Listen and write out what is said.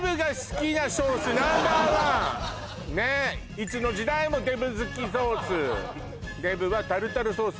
いつの時代もデブ好きソースデブはタルタルソース